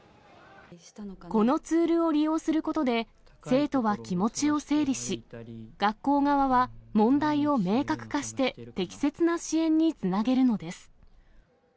このツールを利用することで、生徒は気持ちを整理し、学校側は問題を明確化して、適切な支援につなげるのです。